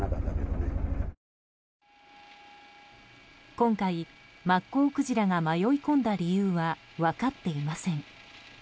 今回、マッコウクジラが迷い込んだ理由は分かっていません。